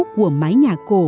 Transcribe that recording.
của mái nhà cổ